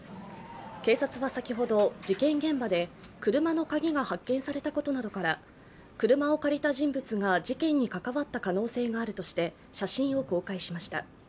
警察は先ほど、事件現場で車の鍵が発見されたことなどから車を借りた人物が事件に関わった可能性があるとして写真を公開しました。